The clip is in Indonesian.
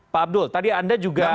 pak abdul tadi anda juga